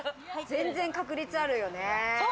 全然確率あるよね。